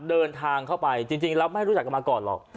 เดินทางเข้าไปจริงแล้วไม่รู้จักกันมาก่อนหรอก